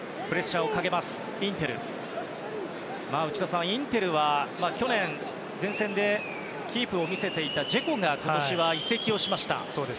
内田さん、インテルは去年、前線でキープを見せていたジェコが今年は移籍しました。